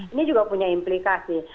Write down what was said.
ini juga punya implikasi